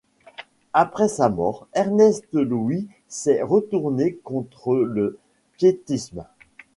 Après sa mort, Ernest Louis s'est retourné contre le piétisme.